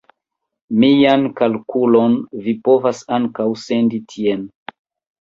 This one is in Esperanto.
Mian kalkulon vi povas ankaŭ sendi tien.